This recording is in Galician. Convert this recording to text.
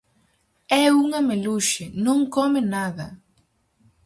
É unha meluxe, non come nada.